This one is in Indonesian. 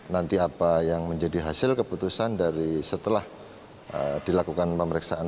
nanti apa yang menjadi hasil keputusan dari setelah dilakukan pemeriksaan